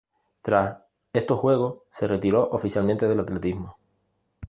Tras estos Juegos se retiró oficialmente del atletismo.